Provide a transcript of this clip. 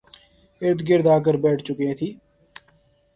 ارد گرد آ کر بیٹھ چکے تھی